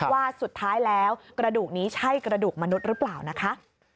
ว่าสุดท้ายแล้วกระดูกนี้ใช่กระดูกมนุษย์หรือเปล่านะคะ